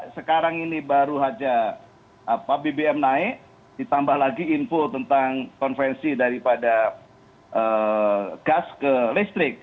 sekarang ini baru saja bbm naik ditambah lagi info tentang konvensi daripada gas ke listrik